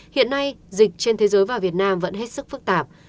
hiện nay dịch trên thế giới và việt nam vẫn hết sức phức tạp